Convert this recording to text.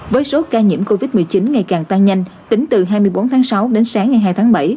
với số ca nhiễm covid một mươi chín ngày càng tăng nhanh tính từ hai mươi bốn tháng sáu đến sáng ngày hai tháng bảy